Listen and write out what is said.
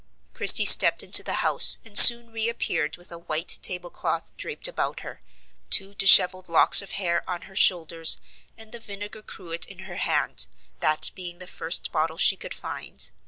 Christie stepped into the house, and soon reappeared with a white table cloth draped about her, two dishevelled locks of hair on her shoulders, and the vinegar cruet in her hand, that being the first bottle she could find.